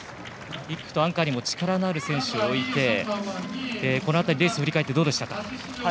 １区とアンカーにも力のある選手を置いてレースを振り返ってどうでしたか？